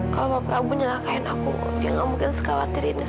kalau bapak prabu mencelakai anakku dia nggak mungkin suka khawatirin sama aku